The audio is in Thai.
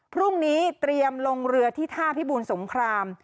พรุ่งนี้เตรียมลงเรือที่ท่าพิบูลสงคราม